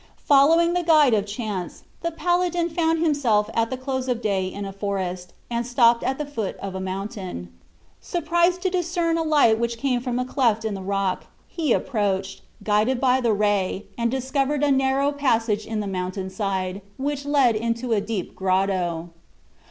Following the guide of chance, the paladin found himself at the close of day in a forest, and stopped at the foot of a mountain. Surprised to discern a light which came from a cleft in the rock, he approached, guided by the ray, and discovered a narrow passage in the mountain side, which led into a deep grotto.